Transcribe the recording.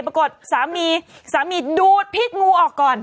สามีสามีดูดพิษงูออกก่อน